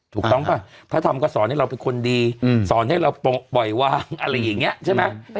ถูกต้องป่ะพระธรรมก็สอนให้เราเป็นคนดีสอนให้เราปล่อยวางอะไรอย่างนี้ใช่ไหม